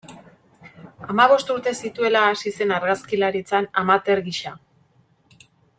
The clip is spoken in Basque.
Hamabost urte zituela hasi zen argazkilaritzan, amateur gisa.